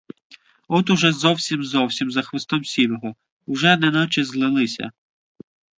От уже зовсім-зовсім за хвостом сірого, уже неначе злилися!